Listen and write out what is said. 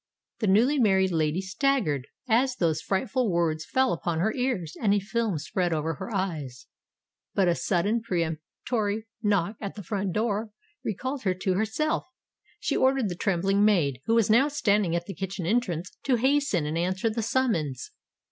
The newly married lady staggered, as these frightful words fell upon her ears—and a film spread over her eyes. But a sudden and peremptory knock at the front door recalled her to herself; and she ordered the trembling maid, who was now standing at the kitchen entrance, to hasten and answer the summons.